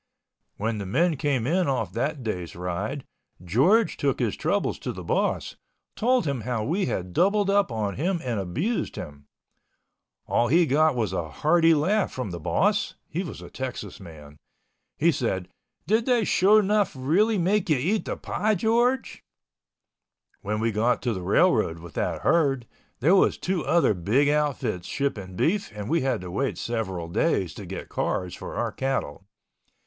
When the men came in off that day's ride, George took his troubles to the boss, told him how we had doubled up on him and abused him. All he got was a hearty laugh from the boss (he was a Texas man). He said, "Did they sho 'nuff really make you eat the pie, George?" When we got to the railroad with that herd, there was two other big outfits shipping beef and we had to wait several days to get cars for our cattle.